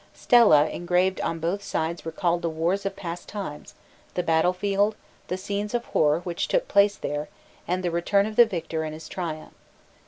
Stelaa engraved on both sides recalled the wars of past times, the battle field, the scenes of horror which took place there, and the return of the victor and his triumph.